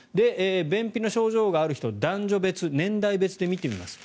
便秘の症状がある人男女別、年代別で見てみます。